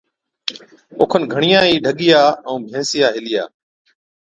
او کن گھڻِيا ئِي ڍڳِيا ائُون ڀينسان هِلِيا۔